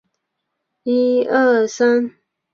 西藏扭连钱为唇形科扭连钱属下的一个种。